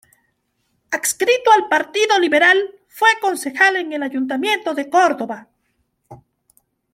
Adscrito al Partido Liberal, fue concejal en el Ayuntamiento de Córdoba.